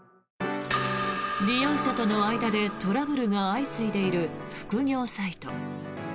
利用者との間でトラブルが相次いでいる副業サイト。